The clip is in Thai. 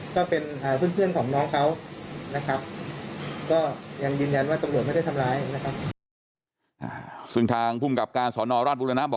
ก็เป็นเพื่อนของน้องเขานะครับ